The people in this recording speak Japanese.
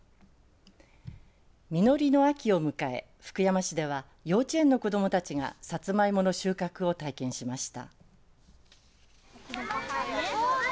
実りの秋を迎え、福山市では幼稚園の子どもたちがサツマイモの収穫を体験しました。